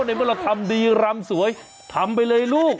ในเมื่อเราทำดีรำสวยทำไปเลยลูก